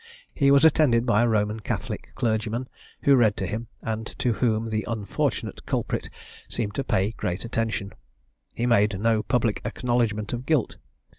He was attended by a Roman Catholic clergyman, who read to him, and to whom the unfortunate culprit seemed to pay great attention; he made no public acknowledgment of guilt.